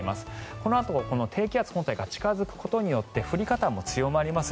このあと低気圧本体が近付くことによって降り方も強まります。